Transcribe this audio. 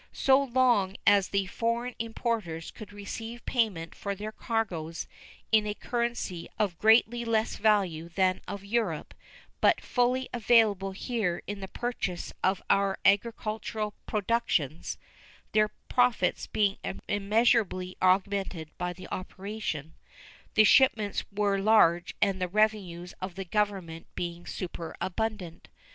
So long as the foreign importers could receive payment for their cargoes in a currency of greatly less value than that in Europe, but fully available here in the purchase of our agricultural productions (their profits being immeasurably augmented by the operation), the shipments were large and the revenues of the Government became superabundant.